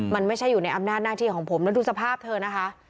มันไม่ใช่อยู่ในอำนาจหน้าที่ของผมแล้วดูสภาพเธอนะคะ